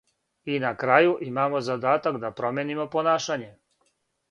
И на крају, имамо задатак да променимо понашање.